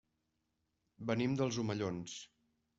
Venim dels Omellons.